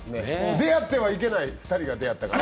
出会ってはいけない２人が出会ったと。